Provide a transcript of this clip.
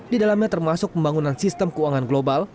di dalamnya termasuk pembangunan sistem keuangan global